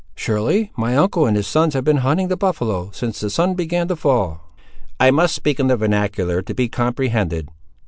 "Surely. My uncle and his sons have been hunting the buffaloe, since the sun began to fall." "I must speak in the vernacular, to be comprehended.